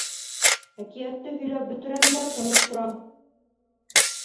Әкиәтте һөйләп бөтөрәм дә тынып торам.